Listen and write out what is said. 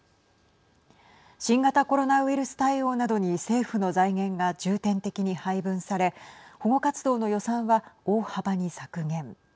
新型コロナウイルス対応などに政府の財源が重点的に配分され保護活動の予算は大幅に削減。